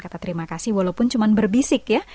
kata terima kasih walaupun cuma berbisik ya